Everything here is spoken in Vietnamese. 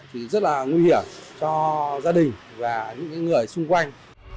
thì rất là nguy hiểm cho gia đình và những người xung quanh